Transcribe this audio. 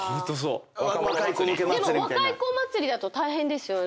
でも若い子祭りだと大変ですよね？